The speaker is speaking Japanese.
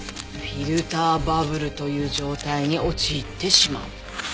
フィルターバブルという状態に陥ってしまう。